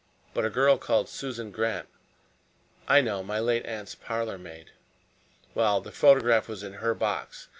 But a girl called Susan Grant " "I know. My late aunt's parlor maid." "Well, the photograph was in her box.